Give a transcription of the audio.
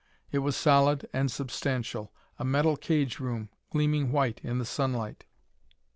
It was solid and substantial a metal cage room, gleaming white in the sunlight.